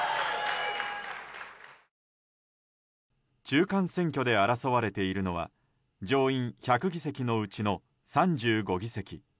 中間選挙で争われているのは上院１００議席のうちの３５議席。